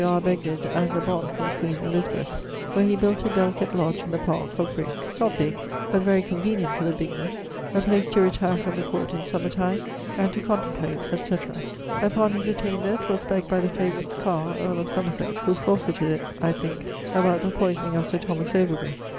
R. begged as a bôn from queen Elizabeth: where he built a delicate lodge in the park, of brick, not big, but very convenient for the bignes, a place to retire from the Court in summer time, and to contemplate, etc. Upon his attainder, 'twas begged by the favorite Carr, earl of Somerset, who forfeited it (I thinke) about the poysoning of Sir Thomas Overbury.